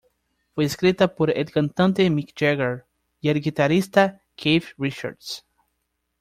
Fue escrita por el cantante Mick Jagger y el guitarrista Keith Richards.